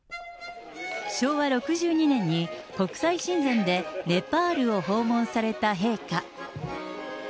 昭和６２年に国際親善でネパールを訪問された陛下。